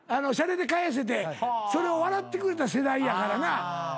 しゃれで返せてそれを笑ってくれた世代やからな。